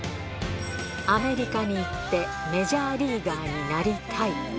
アメリカに行って、メジャーリーガーになりたい。